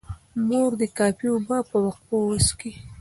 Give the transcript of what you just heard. مور دې کافي اوبه په وقفو وڅښي.